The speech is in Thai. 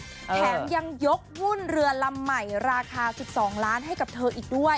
แถมยังยกหุ้นเรือลำใหม่ราคา๑๒ล้านให้กับเธออีกด้วย